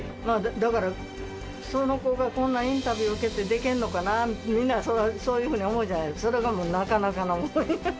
だから、その子がこんなインタビュー受けてできるのかな、みんなそういうふうに思うじゃないですか。